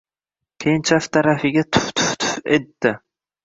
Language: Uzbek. Keyin chap tarafiga tuf-tuf-tuf etdi.